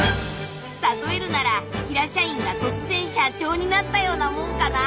例えるなら平社員が突然社長になったようなもんかな。